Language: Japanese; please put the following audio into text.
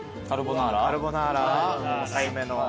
カルボナーラおすすめの。